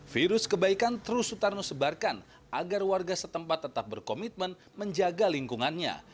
virus kebaikan terus sutarno sebarkan agar warga setempat tetap berkomitmen menjaga lingkungannya